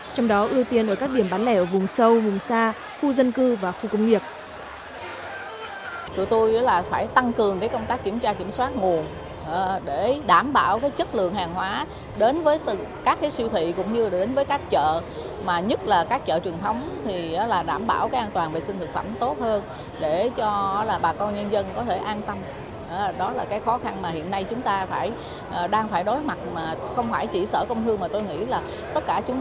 trong đó ưu tiên ở các điểm bán lẻ ở vùng sâu vùng xa khu dân cư và khu công nghiệp